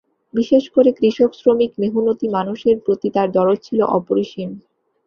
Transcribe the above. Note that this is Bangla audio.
বিশেষ করে কৃষক শ্রমিক মেহনতি মানুষের প্রতি তাঁর দরদ ছিল অপরিসীম।